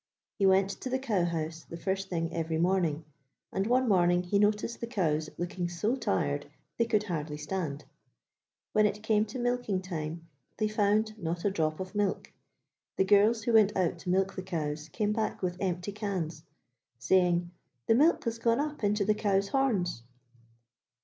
He went to the cow house the first thing every morning, and one morning he noticed the cows looking so tired they could hardly stand. When it came to milking time they found not a drop of milk. The girls, who went out to milk the cows, came back with empty cans, saying: 'The milk has gone up into the cows' horns!'